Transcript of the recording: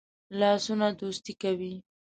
لاسونه دوستی کوي